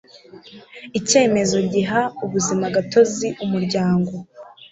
icyemezo giha ubuzimagatozi umuryango